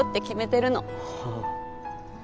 はあ。